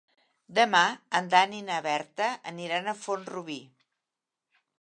Demà en Dan i na Berta aniran a Font-rubí.